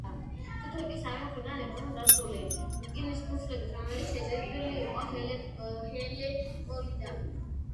თვითონ კი სამი მხრიდან იყვნენ დაცული, რკინის ფურცლებით, რომლებითაც შეჭედილი იყო ჰელეპოლიდა.